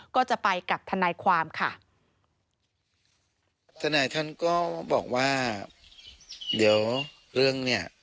ก็จะไปกับทนายความค่ะทนายท่านก็บอกว่าเดี๋ยวเรื่องเนี้ย